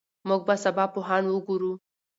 موږ به سبا پوهان وګورو.